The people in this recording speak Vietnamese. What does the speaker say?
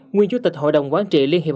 nguyên chủ tịch hội đồng quán trị liên hiệp